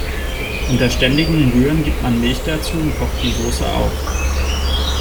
Unter ständigem Rühren gibt man Milch dazu und kocht die Sauce auf.